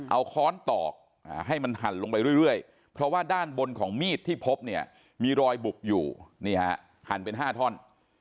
เอาค้อนตอกให้มันหั่นลงไปเรื่อยเพราะว่าด้านบนของมีดที่พบเนี่ยมีรอยบุบอยู่นี่ฮะหั่นเป็น๕ท่อน